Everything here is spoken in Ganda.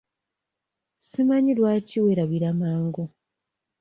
Simanyi lwaki weerabira mangu?